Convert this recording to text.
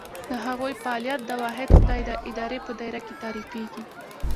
د هغوی فعالیت د واحد خدای د ارادې په دایره کې تعریفېږي.